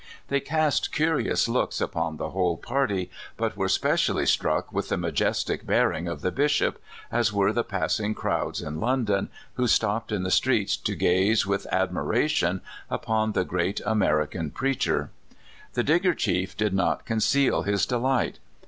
They cast curious looks upon the whole party, but were specially struck with the majestic bearing of the Bishop, as were the passing crowds in London, who stopped in the streets to craze whh admiration upon the great American preacher. The Digger chief did not conceal his delight.